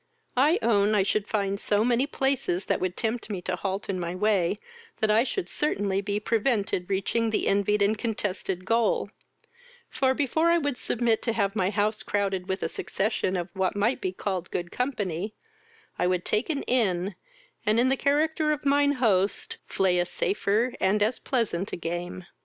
I own I should find so many places that would tempt me to halt in my way, that I should certainly be prevented reaching the envied and contested goal; for, before I would submit to have my house crowded with a succession of what might be called good company, I would take an inn, and, in the character of mine host, flay a safer, and as pleasant a game.